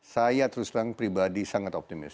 saya terus terang pribadi sangat optimis